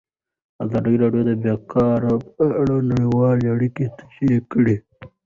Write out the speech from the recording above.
ازادي راډیو د بیکاري په اړه نړیوالې اړیکې تشریح کړي.